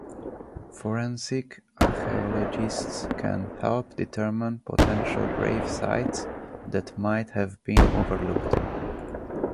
Forensic archaeologists can help determine potential grave sites that might have been overlooked.